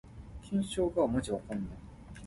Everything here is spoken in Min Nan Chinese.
細空毋補，大空叫苦